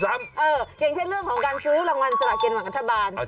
อย่างเช่นเรื่องของการซื้อรางวัลสละกินแบ่งรัฐบาล